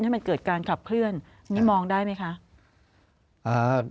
ให้มันเกิดการขับเคลื่อนนี่มองได้ไหมคะ